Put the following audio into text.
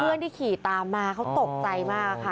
ที่ขี่ตามมาเขาตกใจมากค่ะ